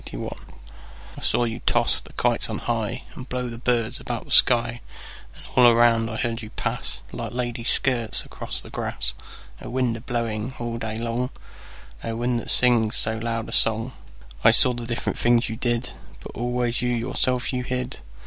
The Wind I SAW you toss the kites on highAnd blow the birds about the sky; And all around I heard you pass, Like ladies' skirts across the grass—O wind, a blowing all day long,O wind, that sings so loud a song!I saw the different things you did, But always you yourself you hid.